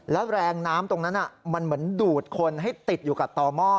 แล้วแรงน้ำตรงนั้นมันเหมือนดูดคนให้ติดอยู่กับต่อหม้อ